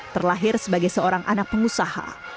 terlahir sebagai seorang anak pengusaha